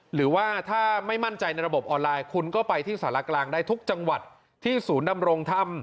หรือว่าถ้าไม่มั่นใจในระบบออนไลน์คุณก็ไปที่สารกลางได้ทุกจังหวัดที่ศูนย์ดำรงธรรม